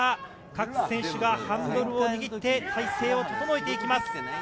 各選手がハンドルを握って、体勢を整えていきます。